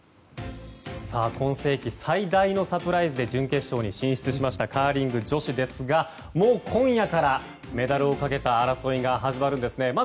今世紀最大のサプライズで準決勝に進出しましたカーリング女子ですがもう今夜からメダルをかけた争いが始まるんですね。